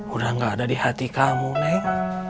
udah gak ada di hati kamu nih